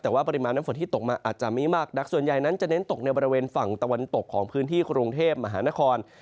แต่ว่าปริมาณน้ำฝนที่ตกมาอาจจะไม่มากดักส่วนใหญ่นั้นจะเน้นตกในบริเวณฝั่งตะวันตกของพื้นที่กรุงเทพมหานคร